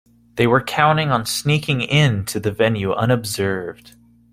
They were counting on sneaking in to the venue unobserved